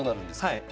はい。